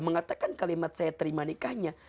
mengatakan kalimat saya terima nikahnya